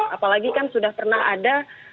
apalagi kan sudah pernah ada